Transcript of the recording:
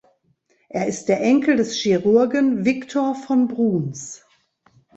Er ist der Enkel des Chirurgen Victor von Bruns.